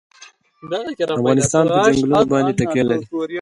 افغانستان په چنګلونه باندې تکیه لري.